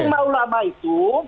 itu mak ulama itu